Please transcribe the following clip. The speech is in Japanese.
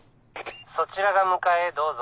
そちらが向かえどうぞ。